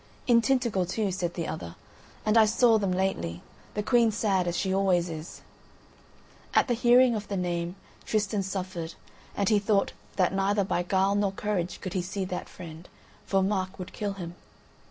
"In Tintagel too," said the other, "and I saw them lately; the Queen sad, as she always is." At the hearing of the name, Tristan suffered, and he thought that neither by guile nor courage could he see that friend, for Mark would kill him.